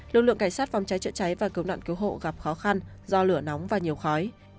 lực lượng cảnh sát phòng cháy chữa cháy và cứu nạn cứu hộ gặp khó khăn do lửa nóng và nhiều khói